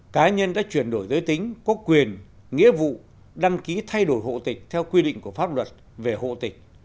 cá nhân đã chuyển đổi giới tính có quyền nghĩa vụ đăng ký thay đổi hộ tịch theo quy định của pháp luật về hộ tịch